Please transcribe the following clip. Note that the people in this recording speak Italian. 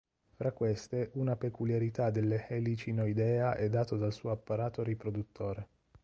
Fra queste una peculiarità delle Helicinoidea è dato dal suo apparato riproduttore.